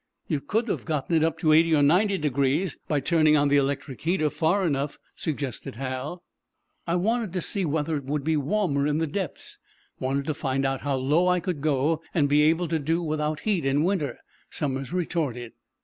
"You could have gotten it up to eighty or ninety degrees by turning on the electric heater far enough," suggested Hal. "I wanted to see whether it would be warmer in the depths; wanted to find out how low I could go and be able to do without heat in winter," Somers retorted.